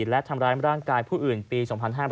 และทำร้ายร่างกายผู้อื่นปี๒๕๕๘